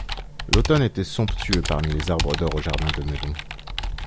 L'automne était somptueux, parmi les arbres d'or au jardin de Meudon.